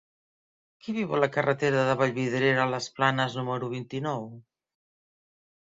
Qui viu a la carretera de Vallvidrera a les Planes número vint-i-nou?